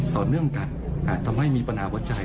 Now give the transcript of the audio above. ต่อเนื่องกันอาจทำให้มีปัญหาหัวใจ